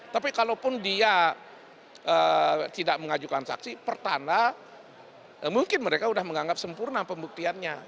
tapi kalaupun dia tidak mengajukan saksi pertanda mungkin mereka sudah menganggap sempurna pembuktiannya